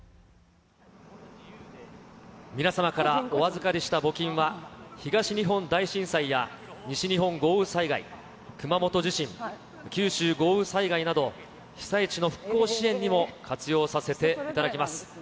皆様からお預かりした募金は、東日本大震災や、西日本豪雨災害、熊本地震、九州豪雨災害など、被災地の復興支援にも活用させていただきます。